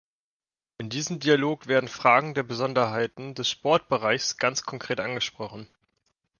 In diesem Dialog werden Fragen der Besonderheiten des Sportbereichs ganz konkret angesprochen.